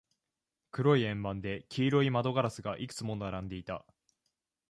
黒い円盤で、黄色い窓ガラスがいくつも並んでいた。